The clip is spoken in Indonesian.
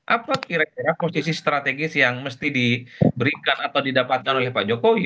apa kira kira posisi strategis yang mesti diberikan atau didapatkan oleh pak jokowi